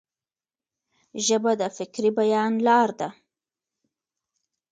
ژبه د فکري بیان لار ده.